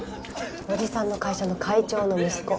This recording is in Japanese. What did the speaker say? おじさんの会社の会長の息子。